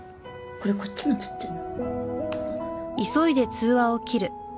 これこっちも映ってんの？